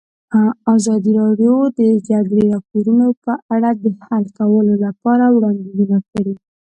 ازادي راډیو د د جګړې راپورونه په اړه د حل کولو لپاره وړاندیزونه کړي.